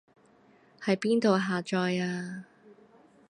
喺邊度下載啊